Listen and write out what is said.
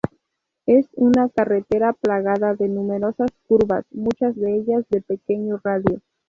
Es una carretera plagada de numerosas curvas, muchas de ellas de pequeño radio.